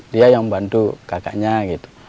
dia yang membantu kakaknya gitu